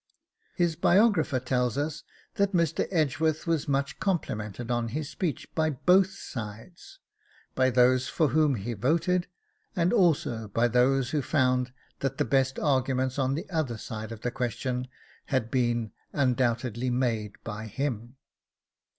His biographer tells us that Mr. Edgeworth was much complimented on his speech by BOTH sides, by those for whom he voted, and also by those who found that the best arguments on the other side of the question had been undoubtedly made by him.